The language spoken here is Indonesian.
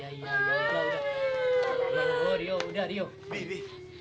abis itu dia nggak mau jual balik sih kayak kita